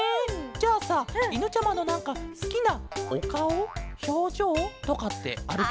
じゃあさいぬちゃまのなんかすきなおかおひょうじょうとかってあるケロ？